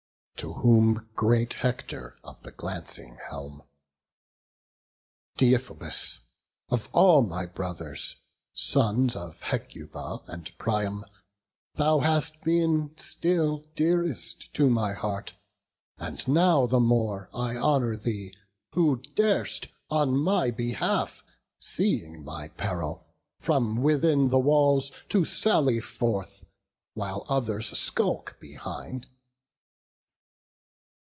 To whom great Hector of the glancing helm: "Deiphobus, of all my brothers, sons Of Hecuba and Priam, thou hast been Still dearest to my heart; and now the more I honour thee who dar'st on my behalf, Seeing my peril, from within the walls To sally forth, while others skulk behind."